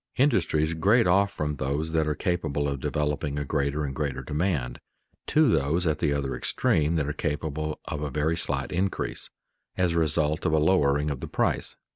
Industries grade off from those that are capable of developing a greater and greater demand, to those at the other extreme that are capable of a very slight increase, as a result of a lowering of the price.